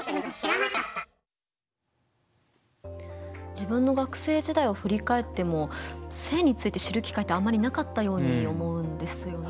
自分の学生時代を振り返っても、性について知る機会って、あんまりなかったように思うんですよね。